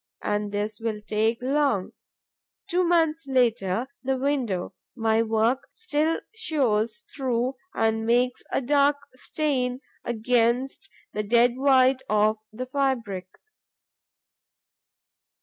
And this will take long. Two months later, the window my work still shows through and makes a dark stain against the dead white of the fabric.